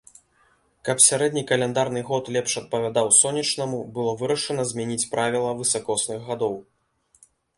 Каб сярэдні каляндарны год лепш адпавядаў сонечнаму, было вырашана змяніць правіла высакосных гадоў.